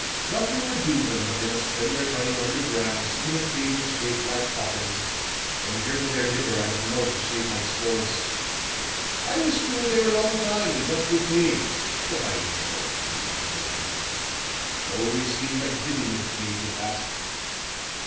Nothing would do them, but they must spend their time underground, sitting at tables shaped like coffins, and drinking their liquor out of mugs shaped like skulls. I was steward there a long time, and got good pay; but I never approved of the notion. It always seemed like divilment to me, did that."